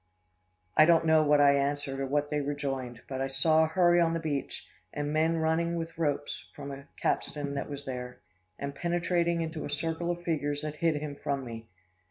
"I don't know what I answered, or what they rejoined; but I saw a hurry on the beach, and men running with ropes from a capstan that was there, and penetrating into a circle of figures that hid him from me.